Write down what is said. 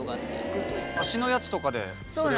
足のやつとかでそれを。